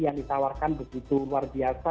yang ditawarkan begitu luar biasa